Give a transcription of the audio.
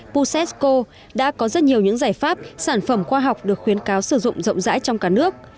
usasco đã có rất nhiều những giải pháp sản phẩm khoa học được khuyến cáo sử dụng rộng rãi trong cả nước